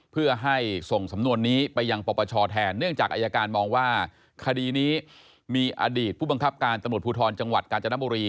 เพื่อให้ส่งสำนวนนี้ไปยังปปชแทนเนื่องจากอายการมองว่าคดีนี้มีอดีตผู้บังคับการตำรวจภูทรจังหวัดกาญจนบุรี